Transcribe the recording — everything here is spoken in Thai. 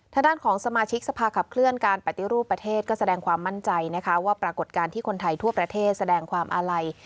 ทางด้านของสมาชิกสภาขับเคลื่อนการปฏิรูปประเทศก็แสดงความมั่นใจนะคะว่าปรากฏการณ์ที่คนไทยทั่วประเทศแสดงความอาลัย